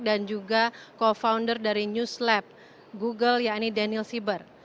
dan juga co founder dari news lab google yang ini daniel sieber